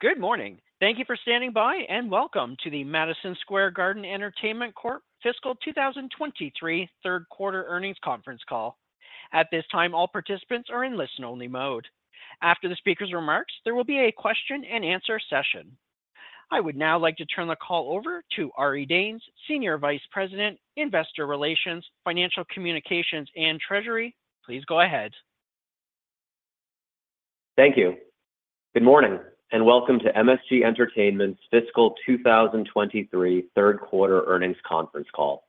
Good morning. Thank you for standing by, and welcome to the Madison Square Garden Entertainment Corp. Fiscal 2023 Third Quarter Earnings Conference Call. At this time, all participants are in listen only mode. After the speaker's remarks, there will be a question and answer session. I would now like to turn the call over to Ari Danes, Senior Vice President, Investor Relations, Financial Communications and Treasury. Please go ahead. Thank you. Good morning, and welcome to MSG Entertainment's Fiscal 2023 Third Quarter Earnings Conference Call.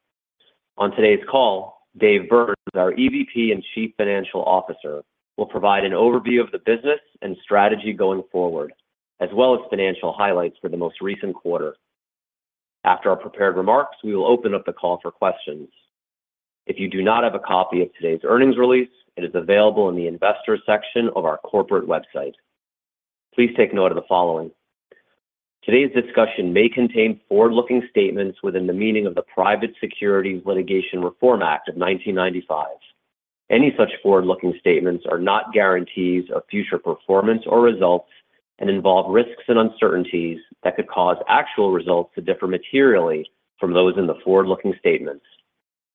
On today's call, David Byrnes, our Executive Vice President and Chief Financial Officer, will provide an overview of the business and strategy going forward, as well as financial highlights for the most recent quarter. After our prepared remarks, we will open up the call for questions. If you do not have a copy of today's earnings release, it is available in the investor section of our corporate website. Please take note of the following. Today's discussion may contain forward-looking statements within the meaning of the Private Securities Litigation Reform Act of 1995. Any such forward-looking statements are not guarantees of future performance or results and involve risks and uncertainties that could cause actual results to differ materially from those in the forward-looking statements.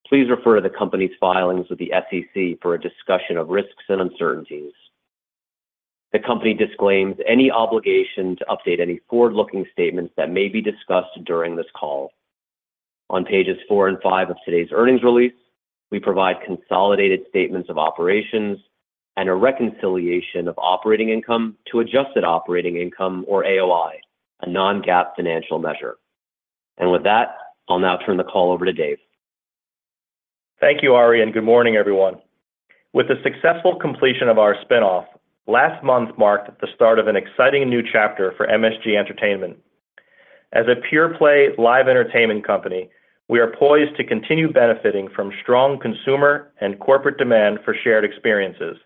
Please refer to the company's filings with the SEC for a discussion of risks and uncertainties. The company disclaims any obligation to update any forward-looking statements that may be discussed during this call. On pages four and five of today's earnings release, we provide consolidated statements of operations and a reconciliation of operating income to adjusted operating income or AOI, a non-GAAP financial measure. With that, I'll now turn the call over to Dave. Thank you, Ari. Good morning, everyone. With the successful completion of our spin-off, last month marked the start of an exciting new chapter for MSG Entertainment. As a pure-play live entertainment company, we are poised to continue benefiting from strong consumer and corporate demand for shared experiences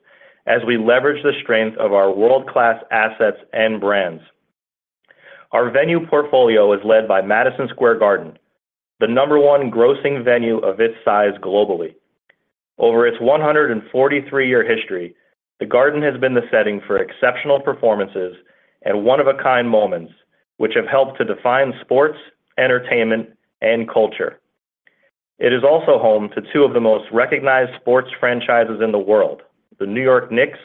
as we leverage the strength of our world-class assets and brands. Our venue portfolio is led by Madison Square Garden, the number one grossing venue of its size globally. Over its 143-year history, the Garden has been the setting for exceptional performances and one-of-a-kind moments which have helped to define sports, entertainment, and culture. It is also home to two of the most recognized sports franchises in the world, the New York Knicks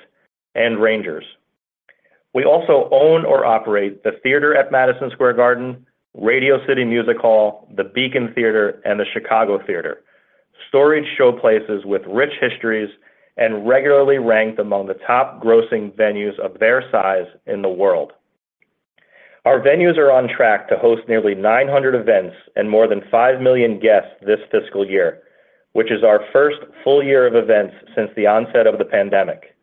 and Rangers. We also own or operate The Theater at Madison Square Garden, Radio City Music Hall, the Beacon Theater, and the Chicago Theater. Storied showplaces with rich histories and regularly ranked among the top grossing venues of their size in the world. Our venues are on track to host nearly 900 events and more than 5 million guests this fiscal year, which is our first full year of events since the onset of the pandemic.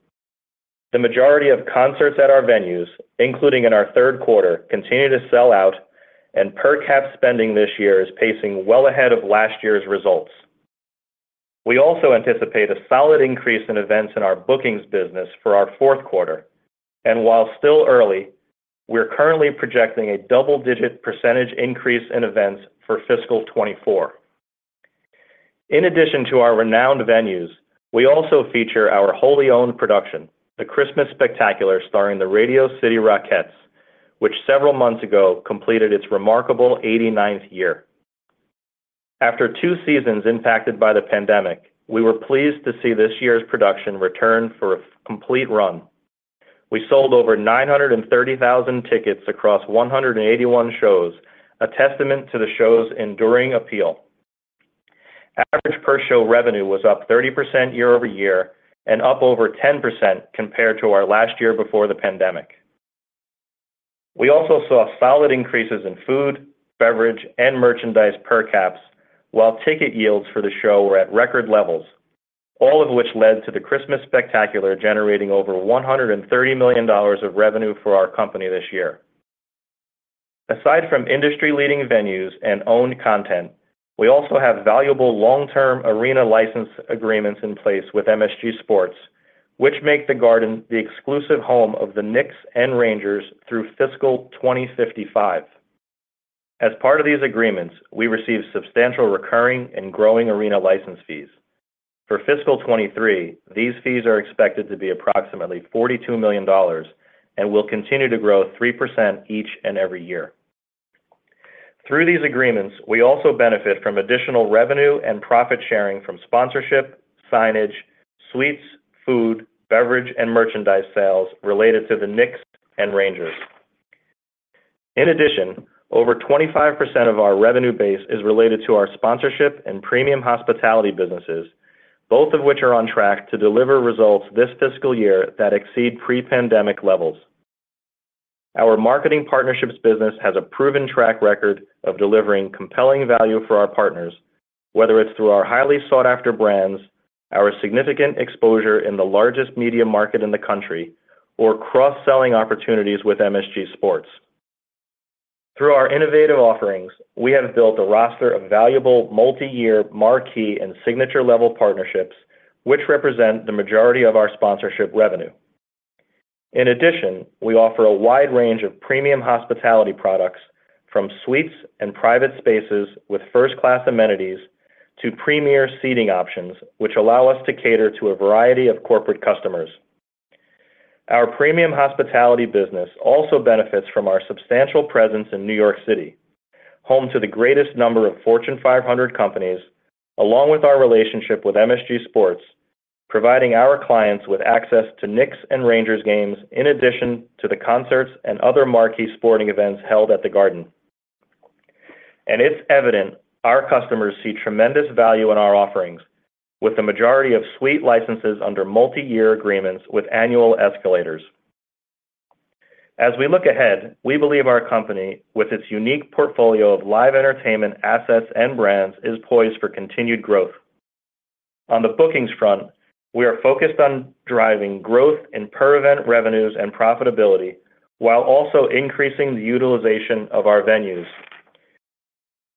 The majority of concerts at our venues, including in our third quarter, continue to sell out, and per cap spending this year is pacing well ahead of last year's results. We also anticipate a solid increase in events in our bookings business for our fourth quarter. While still early, we're currently projecting a double-digit % increase in events for fiscal 2024. In addition to our renowned venues, we also feature our wholly-owned production, the Christmas Spectacular Starring the Radio City Rockettes, which several months ago completed its remarkable 89th year. After two seasons impacted by the pandemic, we were pleased to see this year's production return for a complete run. We sold over 930,000 tickets across 181 shows, a testament to the show's enduring appeal. Average per show revenue was up 30% year-over-year and up over 10% compared to our last year before the pandemic. We also saw solid increases in food, beverage, and merchandise per caps, while ticket yields for the show were at record levels, all of which led to the Christmas Spectacular generating over $130 million of revenue for our company this year. Aside from industry-leading venues and owned content, we also have valuable long-term arena license agreements in place with MSG Sports, which make the Garden the exclusive home of the Knicks and Rangers through fiscal 2055. As part of these agreements, we receive substantial recurring and growing arena license fees. For fiscal 2023, these fees are expected to be approximately $42 million and will continue to grow 3% each and every year. Through these agreements, we also benefit from additional revenue and profit sharing from sponsorship, signage, suites, food, beverage, and merchandise sales related to the Knicks and Rangers. Over 25% of our revenue base is related to our sponsorship and premium hospitality businesses, both of which are on track to deliver results this fiscal year that exceed pre-pandemic levels. Our marketing partnerships business has a proven track record of delivering compelling value for our partners, whether it's through our highly sought-after brands, our significant exposure in the largest media market in the country, or cross-selling opportunities with MSG Sports. Through our innovative offerings, we have built a roster of valuable multi-year marquee and signature level partnerships, which represent the majority of our sponsorship revenue. In addition, we offer a wide range of premium hospitality products from suites and private spaces with first-class amenities to premier seating options, which allow us to cater to a variety of corporate customers. Our premium hospitality business also benefits from our substantial presence in New York City, home to the greatest number of Fortune 500 companies, along with our relationship with MSG Sports, providing our clients with access to Knicks and Rangers games in addition to the concerts and other marquee sporting events held at the Garden. It's evident our customers see tremendous value in our offerings, with the majority of suite licenses under multi-year agreements with annual escalators. As we look ahead, we believe our company, with its unique portfolio of live entertainment assets and brands, is poised for continued growth. On the bookings front, we are focused on driving growth in per-event revenues and profitability while also increasing the utilization of our venues.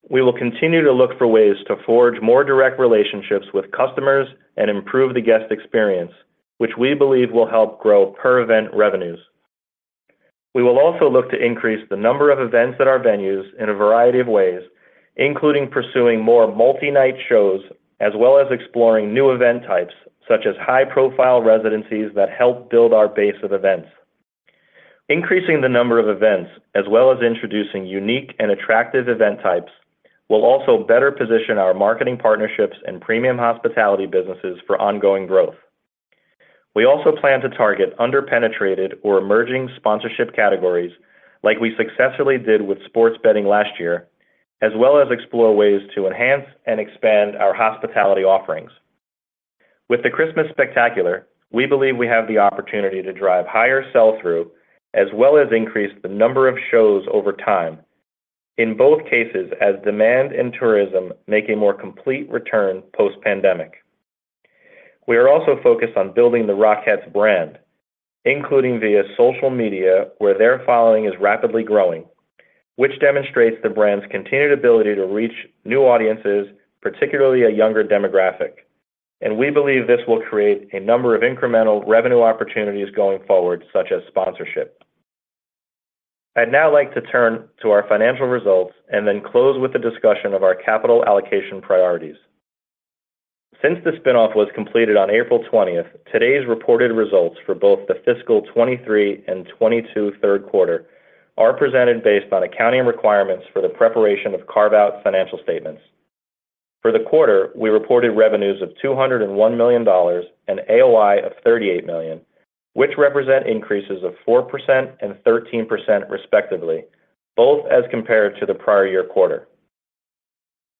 We will continue to look for ways to forge more direct relationships with customers and improve the guest experience, which we believe will help grow per-event revenues. We will also look to increase the number of events at our venues in a variety of ways, including pursuing more multi-night shows, as well as exploring new event types, such as high-profile residencies that help build our base of events. Increasing the number of events, as well as introducing unique and attractive event types, will also better position our marketing partnerships and premium hospitality businesses for ongoing growth. We also plan to target under-penetrated or emerging sponsorship categories like we successfully did with sports betting last year, as well as explore ways to enhance and expand our hospitality offerings. With the Christmas Spectacular, we believe we have the opportunity to drive higher sell-through as well as increase the number of shows over time. In both cases, as demand and tourism make a more complete return post-pandemic. We are also focused on building the Rockettes brand, including via social media, where their following is rapidly growing, which demonstrates the brand's continued ability to reach new audiences, particularly a younger demographic. We believe this will create a number of incremental revenue opportunities going forward, such as sponsorship. I'd now like to turn to our financial results and then close with a discussion of our capital allocation priorities. Since the spin-off was completed on April 20th, today's reported results for both the fiscal 2023 and 2022 third quarter are presented based on accounting requirements for the preparation of carve-out financial statements. For the quarter, we reported revenues of $201 million and AOI of $38 million, which represent increases of 4% and 13% respectively, both as compared to the prior year quarter.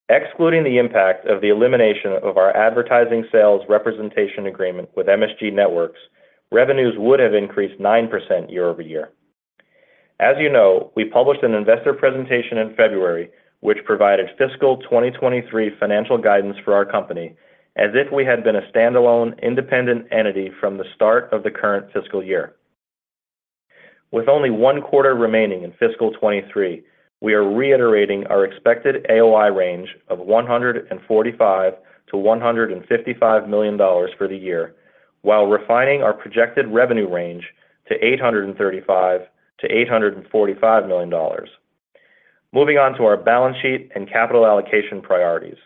Excluding the impact of the elimination of our advertising sales representation agreement with MSG Networks, revenues would have increased 9% year-over-year. As you know, we published an investor presentation in February, which provided fiscal 2023 financial guidance for our company as if we had been a standalone independent entity from the start of the current fiscal year. With only one quarter remaining in fiscal 2023, we are reiterating our expected AOI range of $145 million-$155 million for the year, while refining our projected revenue range to $835 million-$845 million. Moving on to our balance sheet and capital allocation priorities.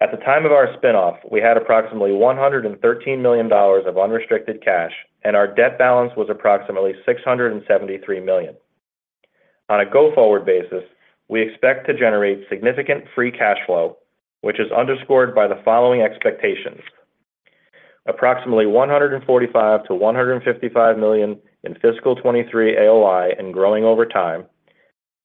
At the time of our spin-off, we had approximately $113 million of unrestricted cash, and our debt balance was approximately $673 million. On a go-forward basis, we expect to generate significant free cash flow, which is underscored by the following expectations. Approximately $145 million-$155 million in fiscal 2023 AOI and growing over time.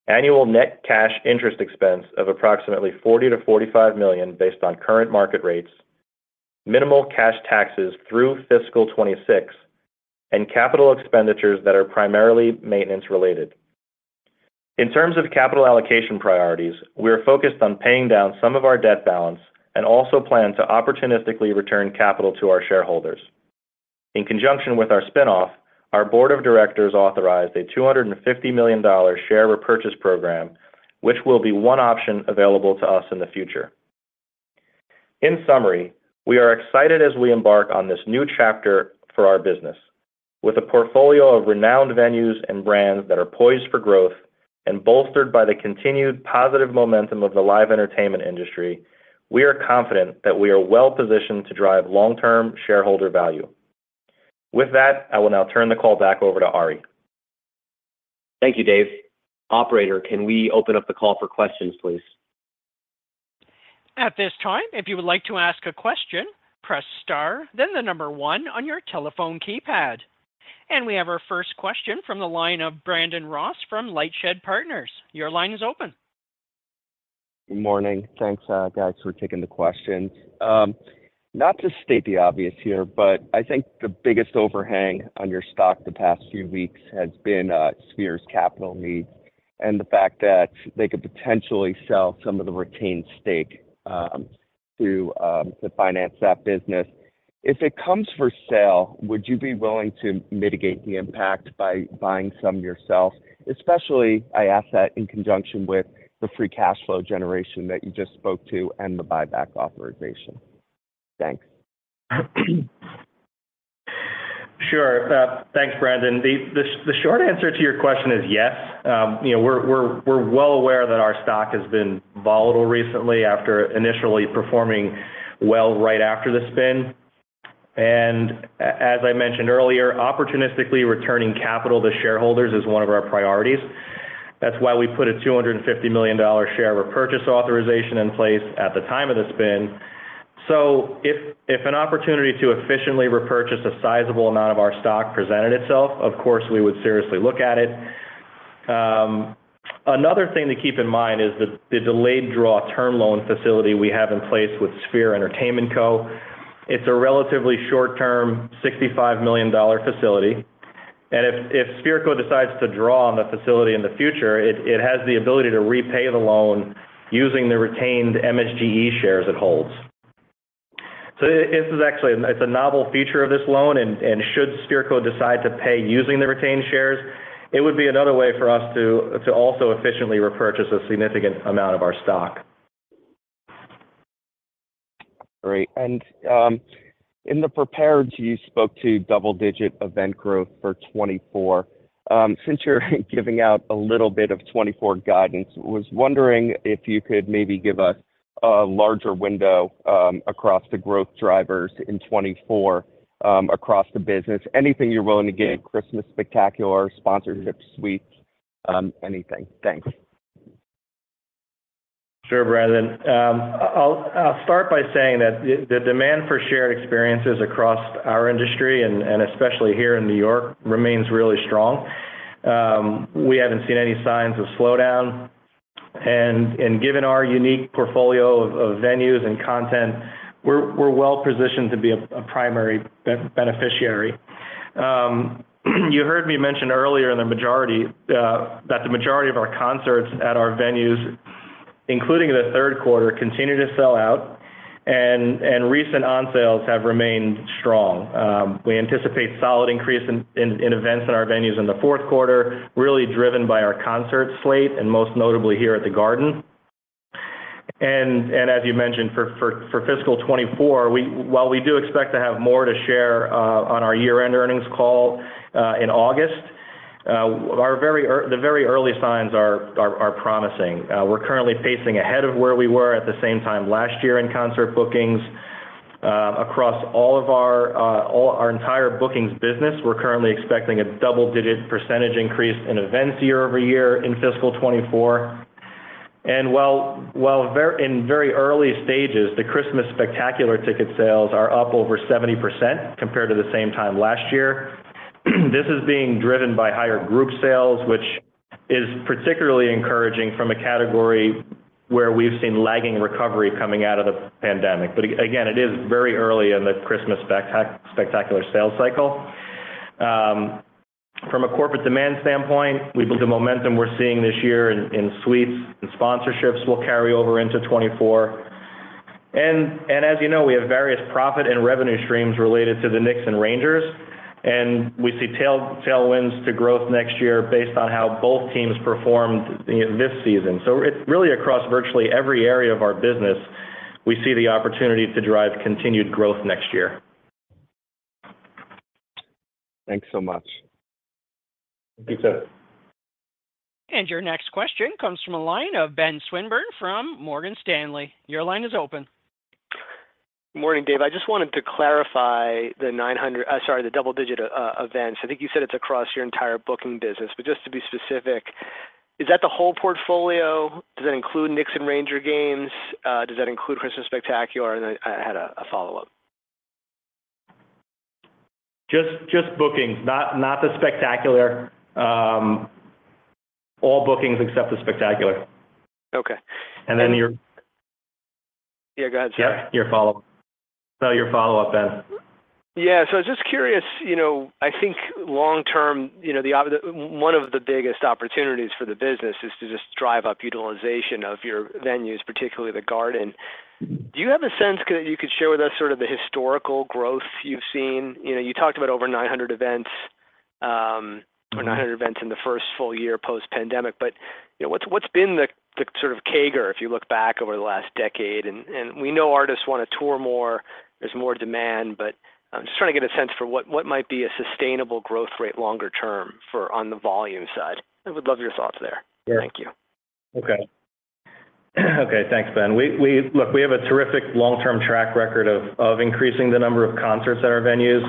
Annual net cash interest expense of approximately $40 million-$45 million based on current market rates. Minimal cash taxes through fiscal 2026. Capital expenditures that are primarily maintenance-related. In terms of capital allocation priorities, we are focused on paying down some of our debt balance and also plan to opportunistically return capital to our shareholders. In conjunction with our spin-off, our board of directors authorized a $250 million share repurchase program, which will be one option available to us in the future. In summary, we are excited as we embark on this new chapter for our business. With a portfolio of renowned venues and brands that are poised for growth and bolstered by the continued positive momentum of the live entertainment industry, we are confident that we are well-positioned to drive long-term shareholder value. With that, I will now turn the call back over to Ari. Thank you, Dave. Operator, can we open up the call for questions, please? At this time, if you would like to ask a question, press star, then 1 on your telephone keypad. We have our first question from the line of Brandon Ross from LightShed Partners. Your line is open. Good morning. Thanks, guys, for taking the questions. Not to state the obvious here, but I think the biggest overhang on your stock the past few weeks has been Sphere's capital needs and the fact that they could potentially sell some of the retained stake to finance that business. If it comes for sale, would you be willing to mitigate the impact by buying some yourself? Especially, I ask that in conjunction with the free cash flow generation that you just spoke to and the buyback authorization. Thanks. Sure. Thanks, Brandon. The short answer to your question is yes. You know, we're well aware that our stock has been volatile recently after initially performing well right after the spin. As I mentioned earlier, opportunistically returning capital to shareholders is one of our priorities. That's why we put a $250 million share repurchase authorization in place at the time of the spin. If an opportunity to efficiently repurchase a sizable amount of our stock presented itself, of course, we would seriously look at it. Another thing to keep in mind is the delayed draw term loan facility we have in place with Sphere Entertainment Co. It's a relatively short term, $65 million facility. If Sphere Co. decides to draw on the facility in the future, it has the ability to repay the loan using the retained MSGE shares it holds. This is actually a novel feature of this loan, and should Sphere Co. decide to pay using the retained shares, it would be another way for us to also efficiently repurchase a significant amount of our stock. Great. In the prepared, you spoke to double-digit event growth for 2024. Since you're giving out a little bit of 2024 guidance, I was wondering if you could maybe give us a larger window, across the growth drivers in 2024, across the business. Anything you're willing to give, Christmas Spectacular, sponsorships, suites, anything. Thanks. Sure, Brandon. I'll start by saying that the demand for shared experiences across our industry and especially here in New York remains really strong. We haven't seen any signs of slowdown. Given our unique portfolio of venues and content, we're well-positioned to be a primary beneficiary. You heard me mention earlier that the majority of our concerts at our venues, including the third quarter, continue to sell out, and recent on sales have remained strong. We anticipate solid increase in events at our venues in the fourth quarter, really driven by our concert slate, and most notably here at The Garden. As you mentioned, for fiscal 2024, while we do expect to have more to share on our year-end earnings call in August, the very early signs are promising. We're currently pacing ahead of where we were at the same time last year in concert bookings. Across all of our entire bookings business, we're currently expecting a double-digit % increase in events year-over-year in fiscal 2024. While in very early stages, the Christmas Spectacular ticket sales are up over 70% compared to the same time last year. This is being driven by higher group sales, which is particularly encouraging from a category where we've seen lagging recovery coming out of the pandemic. Again, it is very early in the Christmas Spectacular sales cycle. From a corporate demand standpoint, we believe the momentum we're seeing this year in suites and sponsorships will carry over into 2024. As you know, we have various profit and revenue streams related to the Knicks and Rangers, and we see tailwinds to growth next year based on how both teams performed this season. really across virtually every area of our business, we see the opportunity to drive continued growth next year. Thanks so much. Thank you, sir. Your next question comes from a line of Ben Swinburne from Morgan Stanley. Your line is open. Morning, Dave. I just wanted to clarify the double-digit events. I think you said it's across your entire booking business. Just to be specific, is that the whole portfolio? Does that include Knicks and Ranger games? Does that include Christmas Spectacular? Then I had a follow-up. Just bookings, not the Spectacular. All bookings except the Spectacular. Okay. And then your- Yeah, go ahead. Sorry. Yep. Your follow-up. No, your follow-up then. I was just curious, you know, I think long term, you know, one of the biggest opportunities for the business is to just drive up utilization of your venues, particularly The Garden. Do you have a sense you could share with us sort of the historical growth you've seen? You know, you talked about over 900 events, or 900 events in the first full year post-pandemic. You know, what's been the sort of CAGR, if you look back over the last decade? And we know artists wanna tour more. There's more demand. I'm just trying to get a sense for what might be a sustainable growth rate longer term on the volume side. I would love your thoughts there. Yeah. Thank you. Okay. Thanks, Ben. We have a terrific long-term track record of increasing the number of concerts at our venues.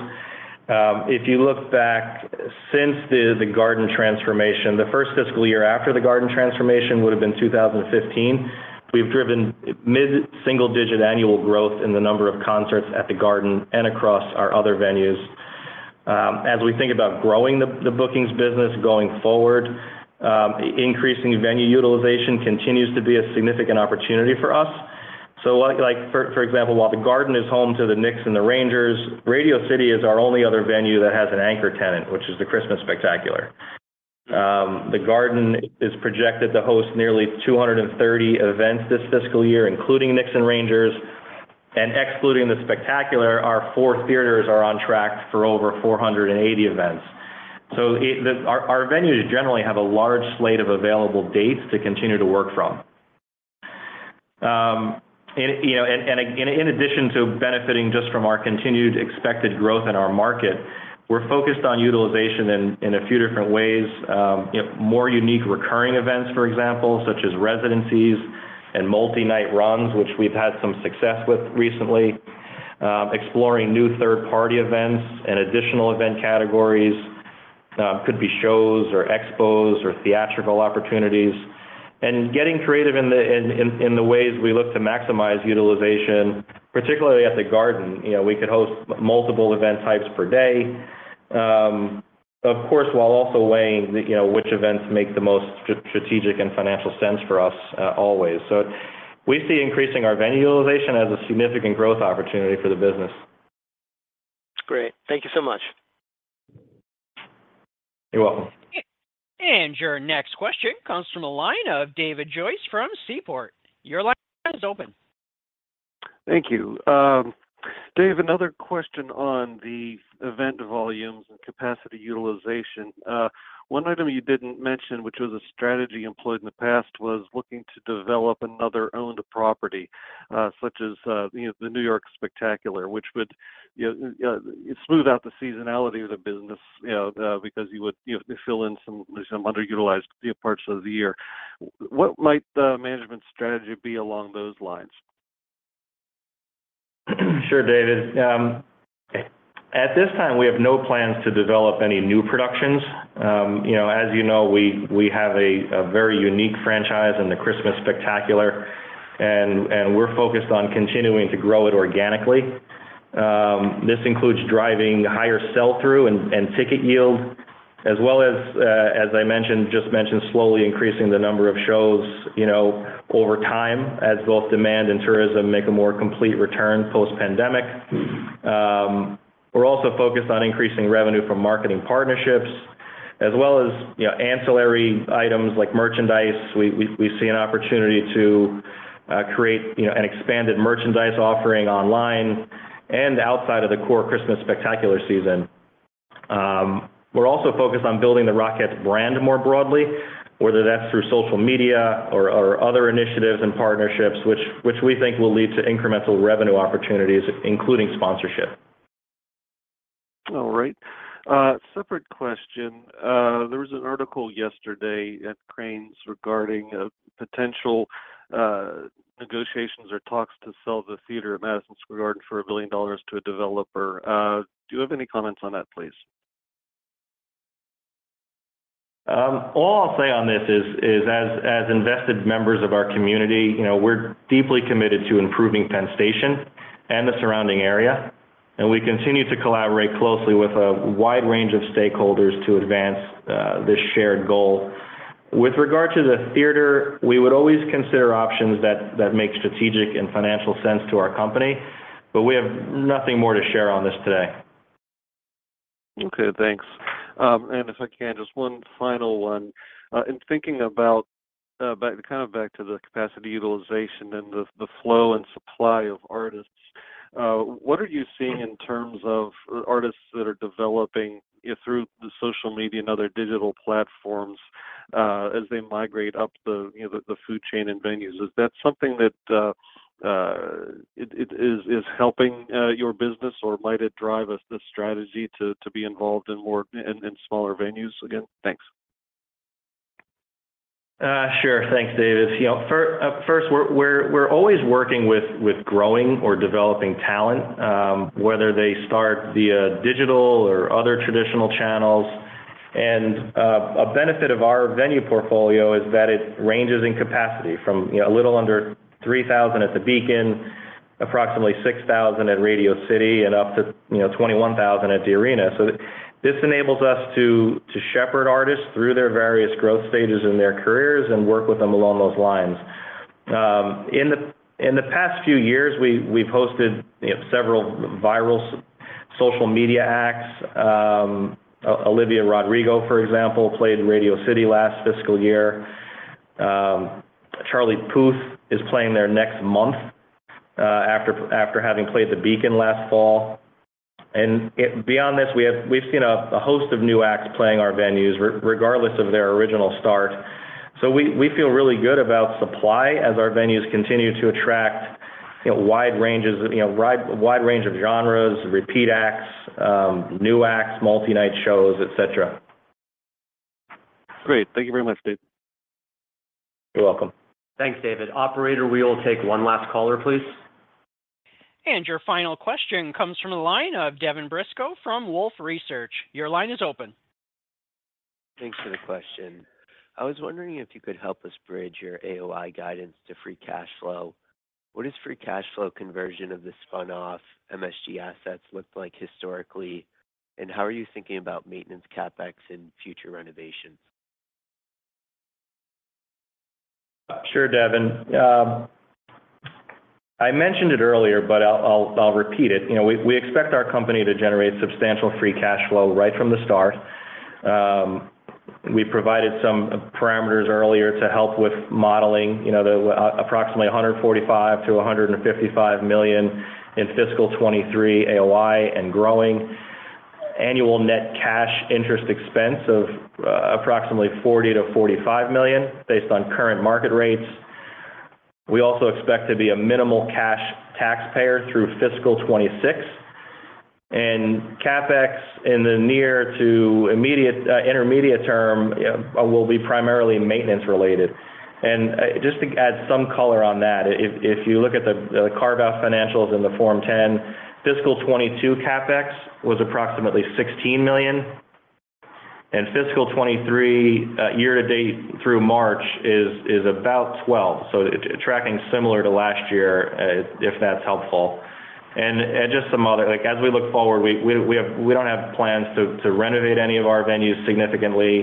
If you look back since the Garden transformation, the first fiscal year after the Garden transformation would've been 2015. We've driven mid-single digit annual growth in the number of concerts at The Garden and across our other venues. As we think about growing the bookings business going forward, increasing venue utilization continues to be a significant opportunity for us. Like for example, while The Garden is home to the Knicks and the Rangers, Radio City is our only other venue that has an anchor tenant, which is the Christmas Spectacular. The Garden is projected to host nearly 230 events this fiscal year, including Knicks and Rangers. Excluding the Spectacular, our four theaters are on track for over 480 events. Our venues generally have a large slate of available dates to continue to work from. You know, in addition to benefiting just from our continued expected growth in our market, we're focused on utilization in a few different ways. You know, more unique recurring events, for example, such as residencies and multi-night runs, which we've had some success with recently. Exploring new third-party events and additional event categories could be shows or expos or theatrical opportunities. Getting creative in the ways we look to maximize utilization, particularly at The Garden. You know, we could host multiple event types per day. of course, while also weighing, you know, which events make the most strategic and financial sense for us, always. We see increasing our venue utilization as a significant growth opportunity for the business. Great. Thank you so much. You're welcome. Your next question comes from the line of David Joyce from Seaport. Your line is open. Thank you. Dave, another question on the event volumes and capacity utilization. One item you didn't mention, which was a strategy employed in the past, was looking to develop another owned property, such as, you know, the New York Spectacular, which would, you know, smooth out the seasonality of the business, you know, because you would, you know, fill in some underutilized parts of the year. What might the management strategy be along those lines? Sure, David. At this time, we have no plans to develop any new productions. You know, as you know, we have a very unique franchise in the Christmas Spectacular, and we're focused on continuing to grow it organically. This includes driving higher sell-through and ticket yield, as well as I mentioned, just mentioned, slowly increasing the number of shows, you know, over time, as both demand and tourism make a more complete return post-pandemic. We're also focused on increasing revenue from marketing partnerships as well as, you know, ancillary items like merchandise. We see an opportunity to create, you know, an expanded merchandise offering online and outside of the core Christmas Spectacular season. We're also focused on building the Rockettes brand more broadly, whether that's through social media or other initiatives and partnerships, which we think will lead to incremental revenue opportunities, including sponsorship. All right. Separate question. There was an article yesterday at Crain's regarding potential negotiations or talks to sell the theater at Madison Square Garden for $1 billion to a developer. Do you have any comments on that, please? All I'll say on this is as invested members of our community, you know, we're deeply committed to improving Penn Station and the surrounding area, and we continue to collaborate closely with a wide range of stakeholders to advance, this shared goal. With regard to the theater, we would always consider options that make strategic and financial sense to our company, but we have nothing more to share on this today. Okay. Thanks. If I can, just one final one. In thinking about, back, kind of back to the capacity utilization and the flow and supply of artists, what are you seeing in terms of artists that are developing through the social media and other digital platforms, as they migrate up the, you know, the food chain in venues? Is that something that is helping your business, or might it drive as the strategy to be involved in more, in smaller venues again? Thanks. Sure. Thanks, David. First, we're always working with growing or developing talent, whether they start via digital or other traditional channels. A benefit of our venue portfolio is that it ranges in capacity from a little under 3,000 at the Beacon, approximately 6,000 at Radio City, and up to 21,000 at the Arena. This enables us to shepherd artists through their various growth stages in their careers and work with them along those lines. In the past few years, we've hosted several viral social media acts. Olivia Rodrigo, for example, played in Radio City last fiscal year. Charlie Puth is playing there next month after having played the Beacon last fall. It... Beyond this, we've seen a host of new acts playing our venues regardless of their original start. We feel really good about supply as our venues continue to attract, you know, wide ranges, you know, wide range of genres, repeat acts, new acts, multi-night shows, et cetera. Great. Thank you very much, Dave. You're welcome. Thanks, David. Operator, we will take one last caller, please. Your final question comes from the line of Devin Brisco from Wolfe Research. Your line is open. Thanks for the question. I was wondering if you could help us bridge your AOI guidance to free cash flow. What does free cash flow conversion of the spun-off MSG assets look like historically, and how are you thinking about maintenance CapEx and future renovations? Sure, Devin. I mentioned it earlier, but I'll repeat it. You know, we expect our company to generate substantial free cash flow right from the start. We provided some parameters earlier to help with modeling, you know, the approximately $145 million-$155 million in fiscal 2023 AOI and growing. Annual net cash interest expense of approximately $40 million-$45 million based on current market rates. We also expect to be a minimal cash taxpayer through fiscal 2026. CapEx in the near to intermediate term will be primarily maintenance related. Just to add some color on that, if you look at the carve-out financials in the Form 10, fiscal 2022 CapEx was approximately $16 million, and fiscal 2023 year to date through March is about $12 million. It tracking similar to last year, if that's helpful. Just some other. Like, as we look forward, we don't have plans to renovate any of our venues significantly.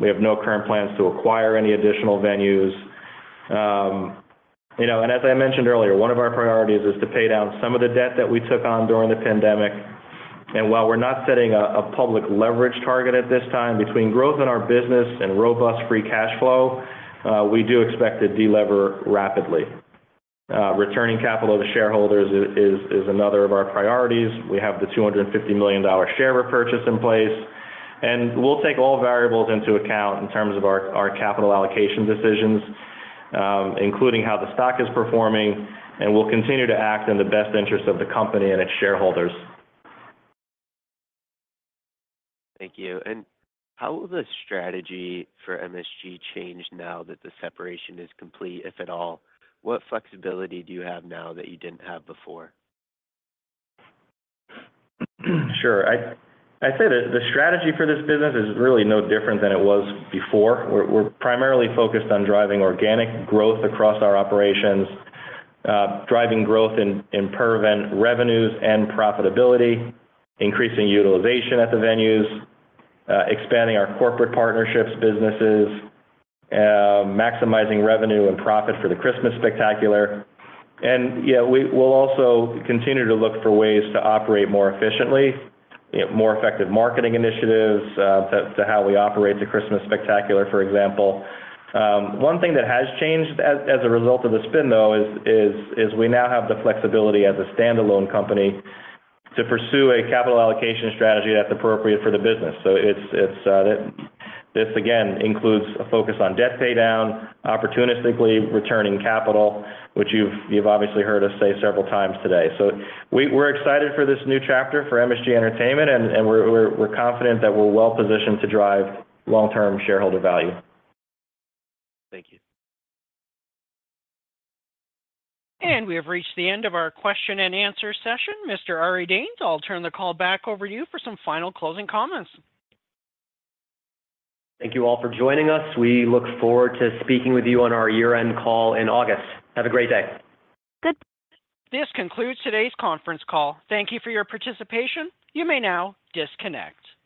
We have no current plans to acquire any additional venues. You know, as I mentioned earlier, one of our priorities is to pay down some of the debt that we took on during the pandemic. While we're not setting a public leverage target at this time, between growth in our business and robust free cash flow, we do expect to delever rapidly. Returning capital to shareholders is another of our priorities. We have the $250 million share repurchase in place. We'll take all variables into account in terms of our capital allocation decisions, including how the stock is performing. We'll continue to act in the best interest of the company and its shareholders. Thank you. How will the strategy for MSG change now that the separation is complete, if at all? What flexibility do you have now that you didn't have before? Sure. I'd say the strategy for this business is really no different than it was before. We're primarily focused on driving organic growth across our operations, driving growth in per event revenues and profitability, increasing utilization at the venues, expanding our corporate partnerships businesses, maximizing revenue and profit for the Christmas Spectacular. You know, we'll also continue to look for ways to operate more efficiently, you know, more effective marketing initiatives, to how we operate the Christmas Spectacular, for example. One thing that has changed as a result of the spin, though, is we now have the flexibility as a standalone company to pursue a capital allocation strategy that's appropriate for the business. It's this again includes a focus on debt pay down, opportunistically returning capital, which you've obviously heard us say several times today. We're excited for this new chapter for MSG Entertainment, and we're confident that we're well-positioned to drive long-term shareholder value. Thank you. We have reached the end of our question and answer session. Mr. Ari Danes, I'll turn the call back over to you for some final closing comments. Thank you all for joining us. We look forward to speaking with you on our year-end call in August. Have a great day. This concludes today's conference call. Thank you for your participation. You may now disconnect.